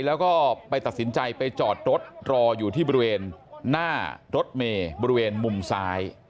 แล้วก็ไปตัดสินใจไปจอดรถรออยู่ที่บริเวณหน้ารถเมย์บริเวณมุมซ้าย